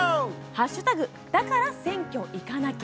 だから選挙行かなきゃ」。